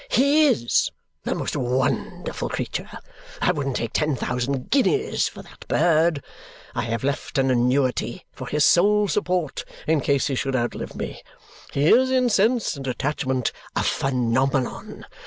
"He IS the most wonderful creature! I wouldn't take ten thousand guineas for that bird. I have left an annuity for his sole support in case he should outlive me. He is, in sense and attachment, a phenomenon.